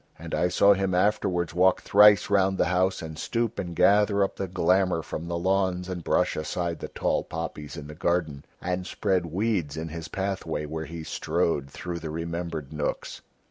And I saw him afterwards walk thrice round the house and stoop and gather up the glamour from the lawns and brush aside the tall poppies in the garden and spread weeds in his pathway where he strode through the remembered nooks."